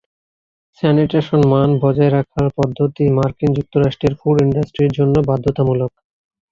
Sanitation মান বজায় রাখার পদ্ধতি মার্কিন যুক্তরাষ্ট্রের ফুড ইন্ডাস্ট্রির জন্য বাধ্যতামূলক।